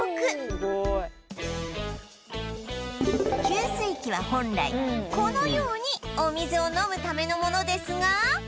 給水器は本来このようにお水を飲むためのものですが